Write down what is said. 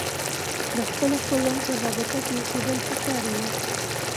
د خپلو خپلوانو سره رابطه کې اوسېدل پکار يي